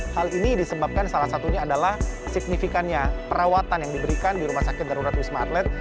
hal ini disebabkan salah satunya adalah signifikannya perawatan yang diberikan di rumah sakit darurat wisma atlet